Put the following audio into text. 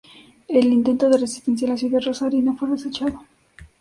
El intento de resistencia en la ciudad Rosarina fue desechado.